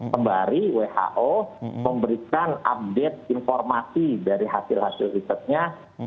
kembali who memberikan update informasi dari hasil hasil risetnya